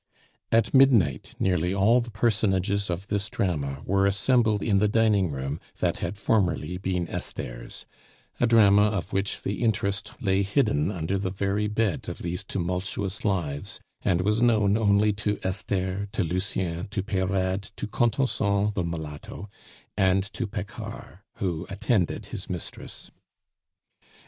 At midnight nearly all the personages of this drama were assembled in the dining room that had formerly been Esther's a drama of which the interest lay hidden under the very bed of these tumultuous lives, and was known only to Esther, to Lucien, to Peyrade, to Contenson, the mulatto, and to Paccard, who attended his mistress.